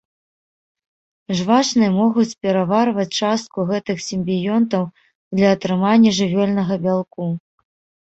Жвачныя могуць пераварваць частку гэтых сімбіёнтаў для атрымання жывёльнага бялку.